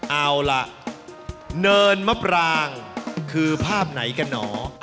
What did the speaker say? เอาล่ะเนินมะปรางคือภาพไหนกันหนอ